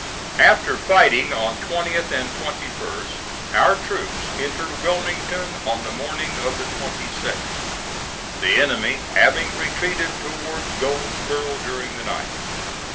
After fighting on 20th and 21st, our troops entered Wilmington on the morning of the 22d, the enemy having retreated towards Goldsboro' during the night.